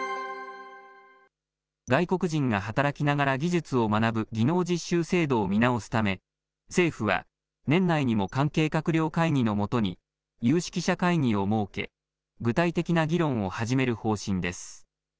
外国人が働きながら技術を学ぶ技能実習制度を見直すため、政府は年内にも関係閣僚会議の下に、有識者会議を設け、具体的な議論を始める方針です。